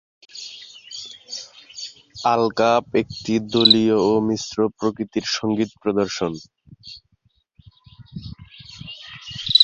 আলকাপ একটি দলীয় ও মিশ্র প্রকৃতির সঙ্গীত প্রদর্শন।